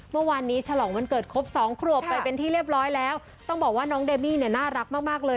เมื่อวานนี้ฉลองวันเกิดครบสองขวบไปเป็นที่เรียบร้อยแล้วต้องบอกว่าน้องเดมี่เนี่ยน่ารักมากมากเลย